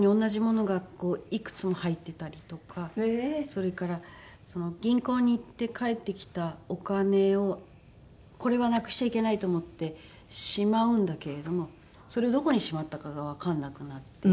それから銀行に行って帰ってきたお金をこれはなくしちゃいけないと思ってしまうんだけれどもそれをどこにしまったかがわかんなくなって。